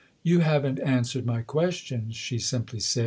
" You haven't answered my question," she simply said.